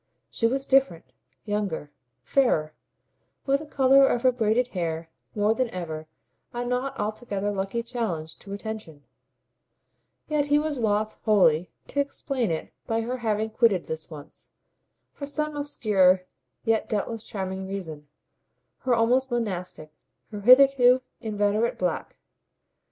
She was different, younger, fairer, with the colour of her braided hair more than ever a not altogether lucky challenge to attention; yet he was loth wholly to explain it by her having quitted this once, for some obscure yet doubtless charming reason, her almost monastic, her hitherto inveterate black.